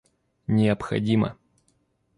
необходимо